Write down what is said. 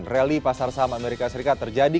rally pasar saham amerika serikat terjadi